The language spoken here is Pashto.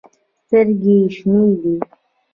سترګې ېې شنې دي